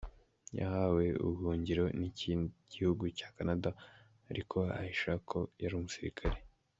Yahawe ubuhungiro n’iki gihugu cya Canada, ariko ahisha ko yari umusirikare.